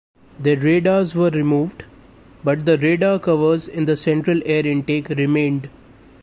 Their radars were removed, but the radar covers in the central air intake remained.